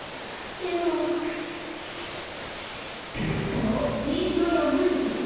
あっページがやぶれてる。